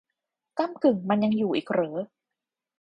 ก้ำกึ่งมันยังอยู่อีกเหรอ !